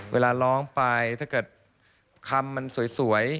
เวลาร้องไปถ้าเกิดคำมันสวย